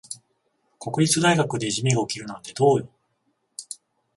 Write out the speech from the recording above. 国立大学でいじめが起きるなんてどうよ。